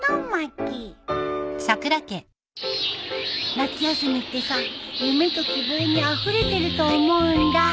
夏休みってさ夢と希望にあふれてると思うんだ。